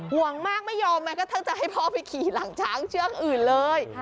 ห่วงมากไม่ยอมแม้กระทั่งจะให้พ่อไปขี่หลังช้างเชือกอื่นเลย